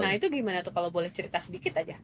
nah itu gimana tuh kalau boleh cerita sedikit aja